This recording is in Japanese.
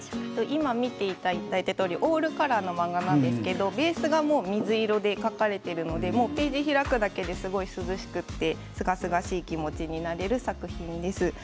今見ていただいたとおりフルカラーの漫画なんですけどベースが水色で描かれているのでページを開くだけで涼しくてすがすがしい気持ちになれる作品です。